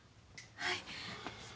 はい。